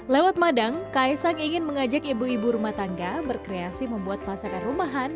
lewat madang kaisang ingin mengajak ibu ibu rumah tangga berkreasi membuat masakan rumahan